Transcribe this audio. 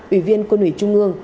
ủy viên quân ủy trung ương